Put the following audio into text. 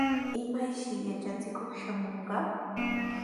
¿Imayshi yatrachikuq traamunqa?